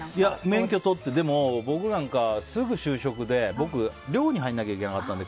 免許取って僕なんかすぐ就職で僕は会社の寮に入らないといけなかったので。